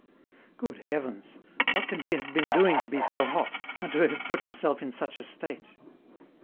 Good heavens! what can he have been doing to be so hot, and to have put himself in such a state?